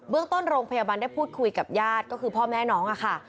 ต้นโรงพยาบาลได้พูดคุยกับญาติก็คือพ่อแม่น้องค่ะ